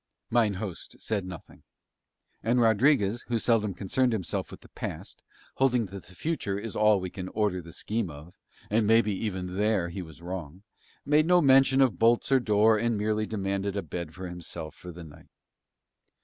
Mine host said nothing; and Rodriguez, who seldom concerned himself with the past, holding that the future is all we can order the scheme of (and maybe even here he was wrong), made no mention of bolts or door and merely demanded a bed for himself for the night.